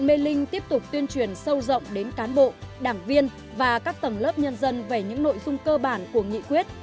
mê linh tiếp tục tuyên truyền sâu rộng đến cán bộ đảng viên và các tầng lớp nhân dân về những nội dung cơ bản của nghị quyết